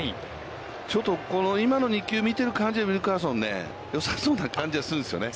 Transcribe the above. ちょっと今の２球を見ている感じでは、ウィルカーソン、よさそうな感じはするんですよね。